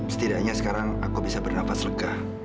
setidaknya sekarang aku bisa bernafas lega